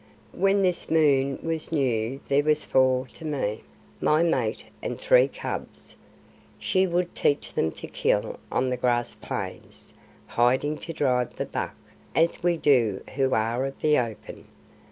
When this moon was new there were four to me my mate and three cubs. She would teach them to kill on the grass plains, hiding to drive the buck, as we do who are of the open.